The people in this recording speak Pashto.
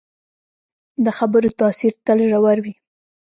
د خبرو تاثیر تل ژور وي